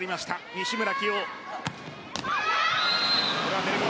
西村を起用。